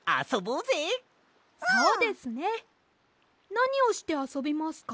なにをしてあそびますか？